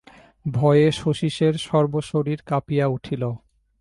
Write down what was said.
ভয়ে শচীশের সর্বশরীর কাঁপিয়া উঠিল।